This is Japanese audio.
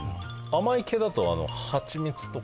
甘い系だとハチミツとか。